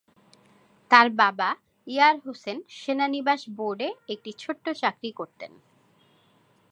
তাঁর বাবা ইয়ার হোসেন সেনা নিবাস বোর্ডে একটি ছোট্ট চাকরি করতেন।